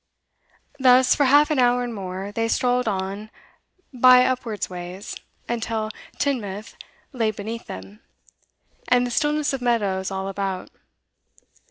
Thus, for half an hour and more, they strolled on by upward ways, until Teignmouth lay beneath them, and the stillness of meadows all about.